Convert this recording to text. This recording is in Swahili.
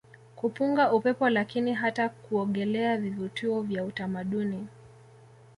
kupunga upepo lakini hata kuogelea Vivutio vya utamaduni